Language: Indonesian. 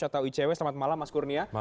dewi selamat malam mas kurnia